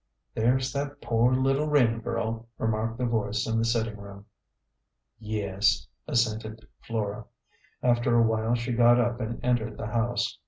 " There's that poor little Wren girl," remarked the voice in the sitting room. "Yes," assented Flora. After a while she got up and entered the house.